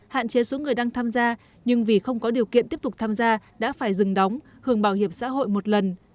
hạn chế số người đang tham gia nhưng vì không có điều kiện tiếp tục tham gia đã phải dừng đóng hưởng bảo hiểm xã hội một lần